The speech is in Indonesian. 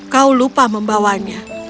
kau lupa membawanya